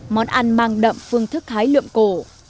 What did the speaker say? món ăn mang đậm phương thức hái lượm cổ